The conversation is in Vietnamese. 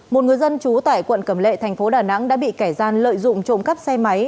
một người dân trú tại quận cầm lệ thành phố đà nẵng đã bị kẻ gian lợi dụng trộm cắp xe máy